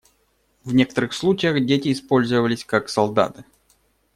В некоторых случаях дети использовались как солдаты.